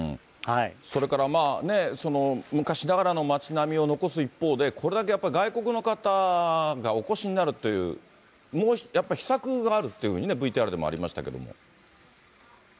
それからまあ、昔ながらの町並みを残す一方で、これだけやっぱり外国の方がお越しになるという、やっぱ秘策があるというふうにね、ＶＴＲでもありましたけれども。